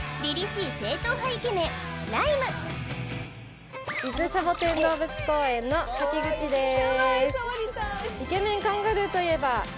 シャボテン動物公園の滝口です